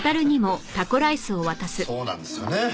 そうなんですよね